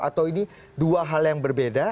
atau ini dua hal yang berbeda